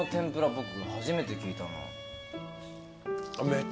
僕初めて聞いたな。